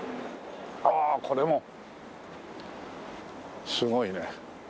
ああこれもすごいね。